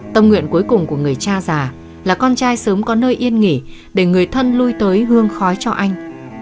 tâm nguyện cuối cùng của người cha già là con trai sớm có nơi yên nghỉ để người thân lui tới hương khói cho anh